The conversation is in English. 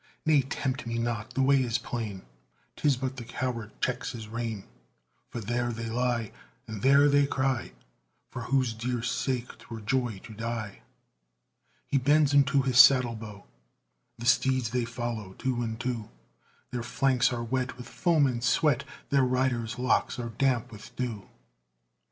"Nay, tempt me not; the way is plain 'Tis but the coward checks his rein; For there they lie, And there they cry, For whose dear sake 'twere joy to die!" He bends unto his saddlebow, The steeds they follow two and two; Their flanks are wet with foam and sweat, Their riders' locks are damp with dew.